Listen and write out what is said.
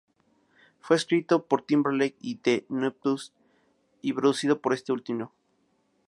Fue escrito por Timberlake y The Neptunes y producido por este último.